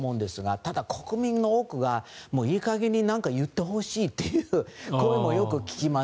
ただ国民の多くがいい加減に何か言ってほしいという声もよく聞きます。